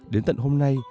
đến tận hôm nay